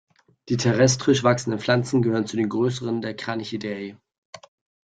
Die terrestrisch wachsenden Pflanzen gehören zu den größeren der Cranichideae.